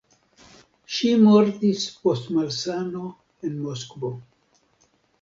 Ŝi mortis post malsano en Moskvo.